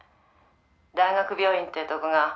大学病院って所が」